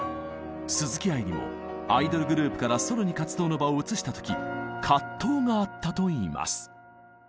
鈴木愛理もアイドルグループからソロに活動の場を移した時藤があったといいます。